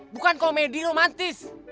bukan komedi romantis